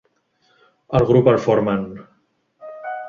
El grup el formen: